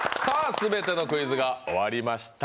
全てのクイズが終わりました。